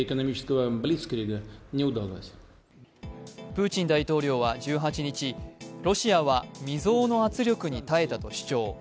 プーチン大統領は１８日、ロシアは未曾有の圧力に耐えたと主張。